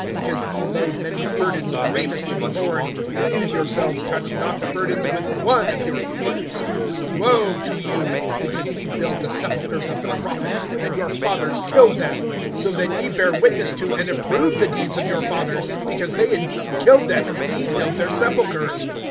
because ye load men with burdens grievous to be borne, and ye yourselves touch not the burdens with one of your fingers. (47)Woe to you! because ye build the sepulchres of the prophets, and your fathers killed them. (48)So then ye bear witness to and approve the deeds of your fathers; because they indeed killed them, and ye build their sepulchres[11:48].